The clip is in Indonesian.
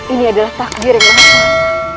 ini adalah takdir yang rahmat